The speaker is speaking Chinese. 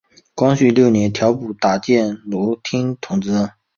光绪六年调补打箭炉厅同知。